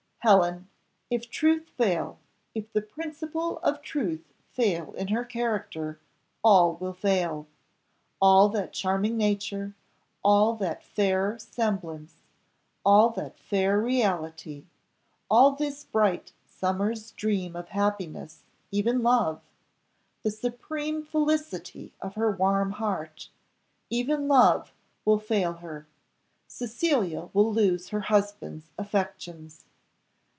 Helen! if truth fail, if the principle of truth fail in her character, all will fail! All that charming nature, all that fair semblance, all that fair reality, all this bright summer's dream of happiness, even love the supreme felicity of her warm heart even love will fail her. Cecilia will lose her husband's affections!"